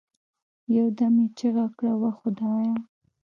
يو دم يې چيغه كړه وه خدايه!